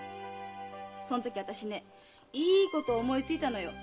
そん時私ねいいこと思いついたのよ。